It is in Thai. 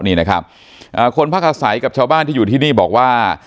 นี่นะครับคนพักอาศัยกับชาวบ้านที่อยู่ที่นี่บอกว่า